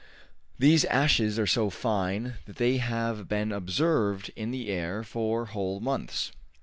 These ashes are so fine that they have been observed in the air for whole months.